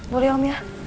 boleh om ya